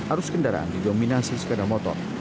arus kendaraan didominasi sepeda motor